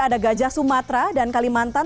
ada gajah sumatera dan kalimantan